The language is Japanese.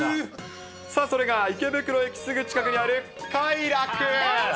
さあ、それが池袋駅すぐ近くにある開楽。